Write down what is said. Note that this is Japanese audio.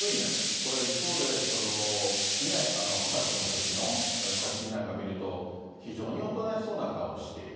これ、一方で２０歳のときの写真なんか見ると、非常におとなしそうな顔をしている。